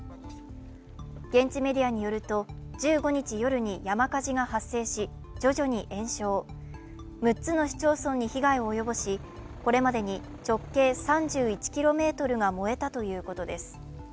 現地メディアによると１５日夜に山火事が発生し６つの市町村に被害を及ぼしこれまでに直径３１ｋｍが燃えたということです。